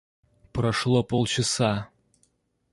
Прошло полчаса.